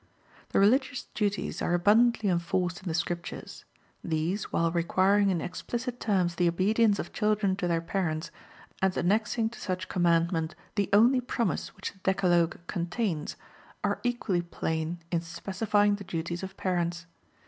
The religious duties are abundantly enforced in the Scriptures. These, while requiring in explicit terms the obedience of children to their parents, and annexing to such commandment the only promise which the Decalogue contains, are equally plain in specifying the duties of parents.